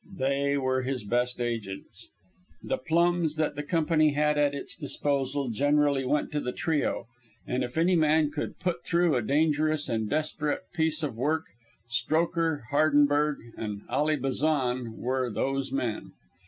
They were his best agents. The plums that the "Company" had at its disposal generally went to the trio, and if any man could "put through" a dangerous and desperate piece of work, Strokher, Hardenberg and Ally Bazan were those men.